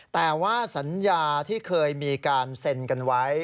แต่ว่าสัญญาที่เคยมีการเซ็นกันไว้